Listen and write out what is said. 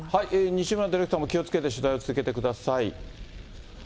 西村ディレクターも気をつけて取材を続けてください。